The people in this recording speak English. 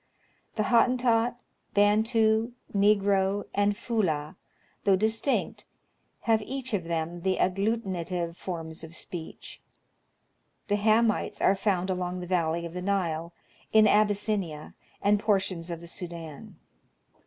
The Hottentot, Bantu, Negro, and Fulah, though distinct, have each of them the agglutinative forms of speech. The Hamites are found along the valley of the Nile, in Abyssinia,, and portions of the Sudan.